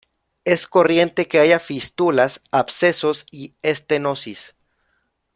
Es corriente que haya fístulas, abscesos y estenosis.